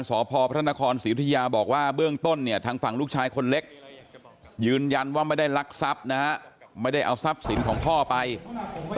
ก็เป็นแม่บ้านเฉยมันเสื่อยุ่งอะไรด้วยอะไรอย่างเงี้ย